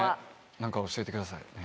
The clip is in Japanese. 何か教えてください。